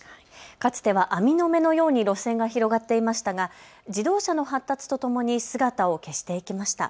かつては網の目のように路線が広がっていましたが自動車の発達とともに姿を消していきました。